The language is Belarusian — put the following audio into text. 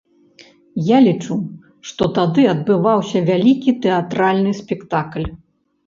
Я лічу, што тады адбываўся вялікі тэатральны спектакль.